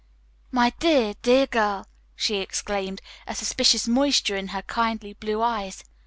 "My dear, dear girl!" she exclaimed, a suspicious moisture in her kindly blue eyes.